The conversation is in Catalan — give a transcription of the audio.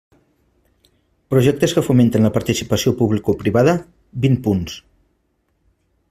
Projectes que fomenten la participació publicoprivada, vint punts.